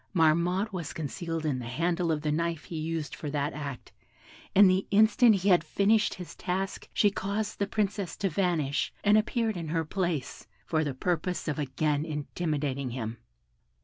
Marmotte was concealed in the handle of the knife he used for that act, and the instant he had finished his task she caused the Princess to vanish, and appeared in her place, for the purpose of again intimidating him!"